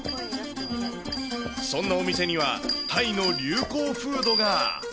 そんなお店にはタイの流行フードが。